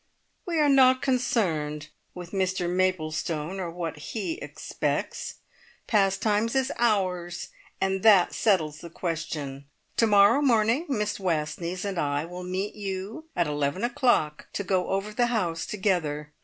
"We are not concerned with Mr Maplestone, or what he expects. Pastimes is ours, and that settles the question. To morrow morning Miss Wastneys and I will meet you at eleven o'clock, to go over the house together.